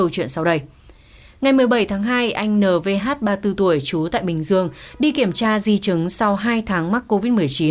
bảy tháng hai anh nvh ba mươi bốn tuổi chú tại bình dương đi kiểm tra di chứng sau hai tháng mắc covid một mươi chín